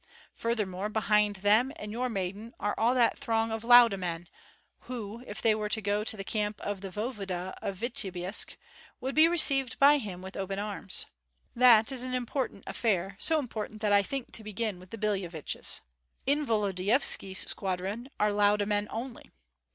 Furthermore, behind them and your maiden are all that throng of Lauda men, who, if they were to go to the camp of the voevoda of Vityebsk, would be received by him with open arms. That is an important affair, so important that I think to begin with the Billeviches." "In Volodyovski's squadron are Lauda men only."